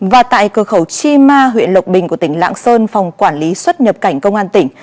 và tại cửa khẩu chi ma huyện lộc bình của tỉnh lạng sơn phòng quản lý xuất nhập cảnh công an tỉnh